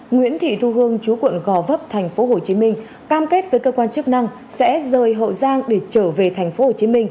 nguyễn thị thu hương chú quận gò vấp tp hcm cam kết với cơ quan chức năng sẽ rời hậu giang để trở về tp hcm